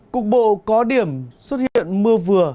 cục bộ có điểm xuất hiện mưa vừa